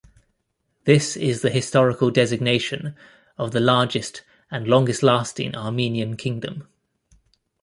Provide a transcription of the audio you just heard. This is the historical designation of the largest and longest-lasting Armenian kingdom.